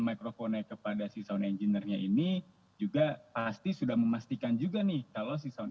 microphone kepada season engine nya ini juga pasti sudah memastikan juga nih kalau season